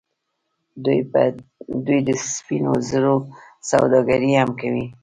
دوی د سپینو زرو سوداګري هم کوي.